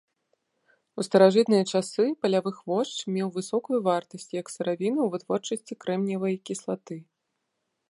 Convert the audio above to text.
У старажытныя часы палявы хвошч меў высокую вартасць як сыравіна ў вытворчасці крэмніевай кіслаты.